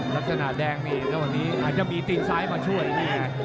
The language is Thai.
ลักษณะแดงนี่แล้วค่อนข้างจะมีติดซ้ายมาช่วย